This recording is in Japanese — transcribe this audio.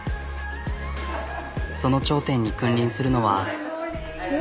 その頂点に君臨するのは。